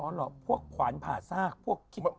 อ๋อหรอพวกขวานผ่าซากพวกคิด